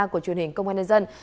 của truyền hình công an nhân dân